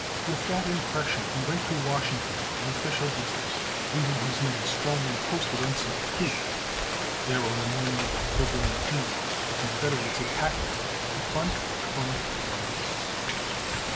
With that impression, he went to Washington on official business, leaving his men strongly posted on Cedar Creek. There, on the morning of October 19, the Confederates attacked them, front, flank, and rear.